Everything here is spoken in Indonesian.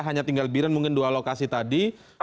hanya tinggal biren mungkin dua lokasi tadi